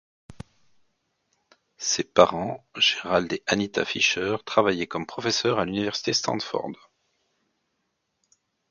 Ses parents, Gerald et Anita Fisher, travaillaient comme professeurs à l’Université Stanford.